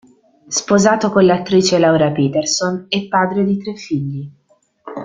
Sposato con l'attrice Laura Peterson, è padre di tre figli.